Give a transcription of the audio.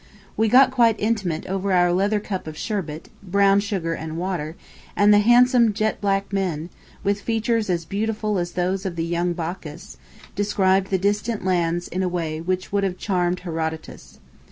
We got quite intimate over our leather cup of sherbet (brown sugar and water), and the handsome jet black men, with features as beautiful as those of the young Bacchus, described the distant lands in a way which would have charmed Herodotus.